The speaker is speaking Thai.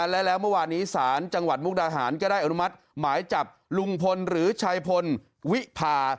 และแล้วเมื่อวานนี้ศาลจังหวัดมุกดาหารก็ได้อนุมัติหมายจับลุงพลหรือชัยพลวิพา